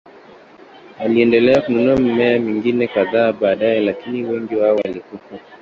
Aliendelea kununua mimea mingine kadhaa baadaye, lakini wengi wao walikufa.